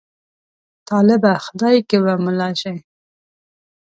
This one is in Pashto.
طالبه! خدای که به ملا شې.